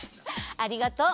ありがとう。